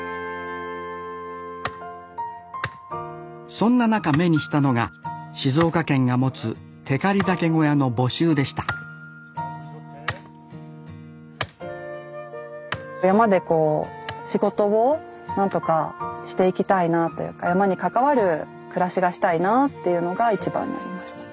そんな中目にしたのが静岡県が持つ光岳小屋の募集でした山でこう仕事を何とかしていきたいなというか山に関わる暮らしがしたいなっていうのが一番にありました。